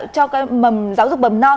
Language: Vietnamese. cho giáo dục bầm non